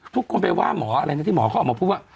ทุกคนไปว่าหมออะไรนะที่หมอเขาออกมาพูดว่า